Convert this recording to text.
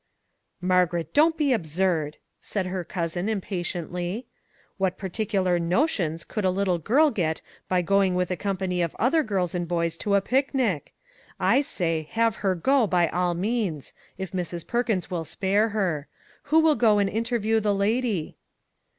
" Margaret, don't be absurd !" said her cousin, impatiently. " What particular ' no tions ' could a little girl get by going with a company of other girls and boys to a picnic ? I say, have her go by all means, if Mrs. Perkins will spare her. Who will go and interview the lady?"